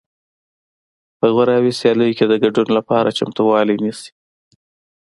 په غوراوي سیالیو کې د ګډون لپاره چمتووالی نیسي